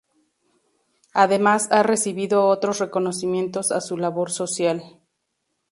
Además ha recibido otros reconocimientos a su labor social.